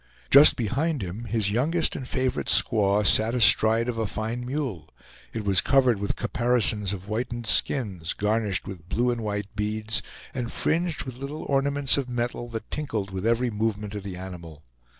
Just behind him his youngest and favorite squaw sat astride of a fine mule; it was covered with caparisons of whitened skins, garnished with blue and white beads, and fringed with little ornaments of metal that tinkled with every movement of the animal.